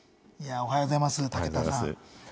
おはようございます、武田さん。